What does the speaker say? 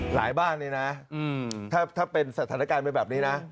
บ้านเลยนะถ้าเป็นสถานการณ์เป็นแบบนี้นะ